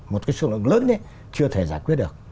một cái số lượng lớn ấy chưa thể giải quyết được